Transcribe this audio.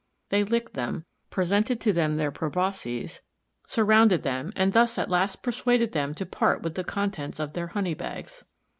They licked them, presented to them their probosces, surrounded them, and thus at last persuaded them to part with the contents of their "honey bags."